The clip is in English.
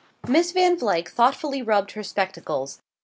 Miss Van Vluyck thoughtfully rubbed her spectacles.